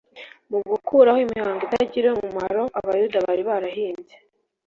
Mu gukuraho imihango itagira umumaro abayuda bari barahimbye,